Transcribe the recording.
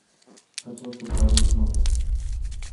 لقد زرتُ باريس مرة.